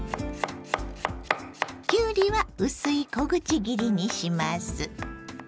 きゅうりは薄い小口切りにします。